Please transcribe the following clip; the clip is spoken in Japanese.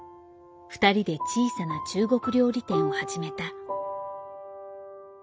二人で小さな中国料理店を始めた。